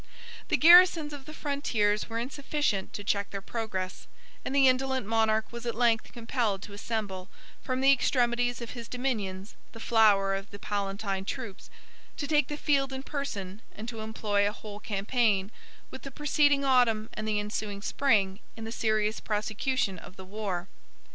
47 The garrisons of the frontiers were insufficient to check their progress; and the indolent monarch was at length compelled to assemble, from the extremities of his dominions, the flower of the Palatine troops, to take the field in person, and to employ a whole campaign, with the preceding autumn and the ensuing spring, in the serious prosecution of the war.